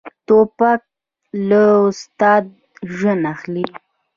توپک له استاد ژوند اخلي.